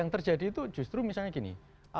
yang terjadi itu justru misalnya gini